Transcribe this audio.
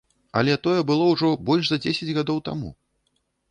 Але тое было ужо больш за дзесяць гадоў таму!